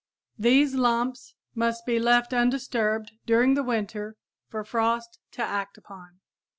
These lumps must be left undisturbed during the winter for frost to act upon.